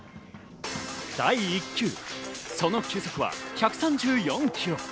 第１球、その球速は１３４キロ。